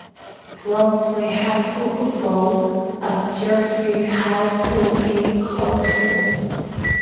Brown played high school football at Garfield High School in Akron.